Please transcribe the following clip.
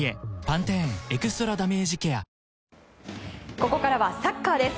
ここからはサッカーです。